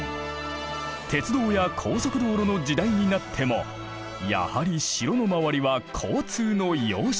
鉄道や高速道路の時代になってもやはり城の周りは交通の要衝。